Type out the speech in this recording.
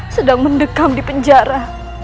sedang mendekam di penjara